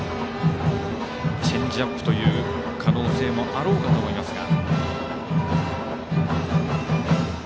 チェンジアップという可能性もあろうかと思いますが。